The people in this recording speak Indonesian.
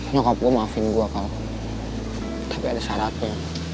nyokap gue maafin gue kalah tapi ada syaratnya